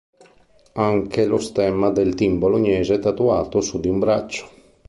Ha anche lo stemma del team bolognese tatuato su di un braccio.